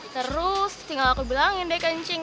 terus tinggal aku bilangin deh kencing